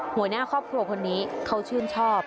หัวหน้าครอบครัวคนนี้เขาชื่นชอบ